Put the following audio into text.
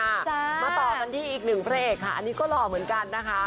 มาต่อกันที่อีกหนึ่งพระเอกค่ะอันนี้ก็หล่อเหมือนกันนะคะ